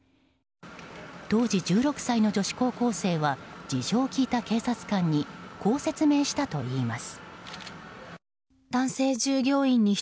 当時１６歳の女子高校生は事情を聴いた警察官にこう説明したといいます。